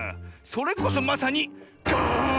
それこそまさに「ガーン！」